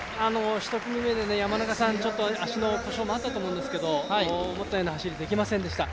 １組目で山中さん、足の故障もあったと思うんですけど思ったような走りができませんでした。